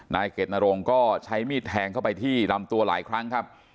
นายเกดนรงก็ใช้มีดแทงเข้าไปที่ลำตัวหลายครั้งครับ